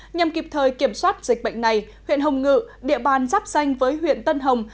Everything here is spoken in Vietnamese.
nhằm kịp thời kiểm soát dịch bệnh này huyện hồng ngự địa bàn giáp danh với huyện tân hồng